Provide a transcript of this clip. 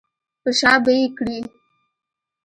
په شا به یې کړې.